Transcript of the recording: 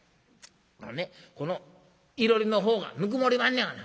あのねこのいろりの方がぬくもれまんねやがな。